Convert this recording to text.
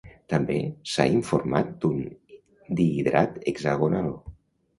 També s'ha informat d'un dihidrat hexagonal.